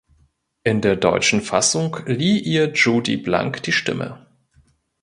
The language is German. In der deutschen Fassung lieh ihr Jodie Blank die Stimme.